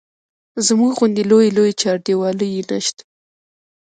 زموږ غوندې لویې لویې چاردیوالۍ نه شته.